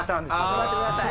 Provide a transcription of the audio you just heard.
座ってください。